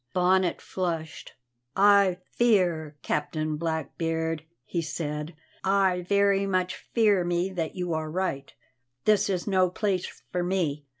Bonnet flushed. "I fear, Captain Blackbeard," he said, "I very much fear me that you are right; this is no place for me.